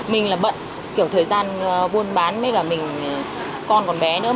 mình là bận kiểu thời gian buôn bán với cả mình con còn bé nữa